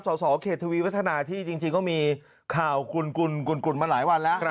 สสเขตทวีวัฒนาที่จริงก็มีข่าวกุ่นมาหลายวันแล้ว